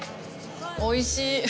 おいしい。